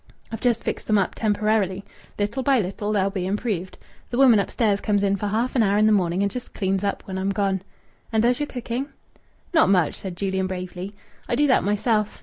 I've just fixed them up temporarily. Little by little they'll be improved. The woman upstairs comes in for half an hour in the morning and just cleans up when I'm gone." "And does your cooking?" "Not much!" said Julian bravely. "I do that myself.